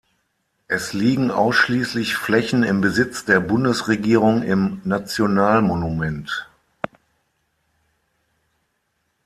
Es liegen ausschließlich Flächen im Besitz der Bundesregierung im National Monument.